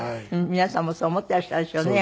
皆さんもそう思っていらっしゃるでしょうね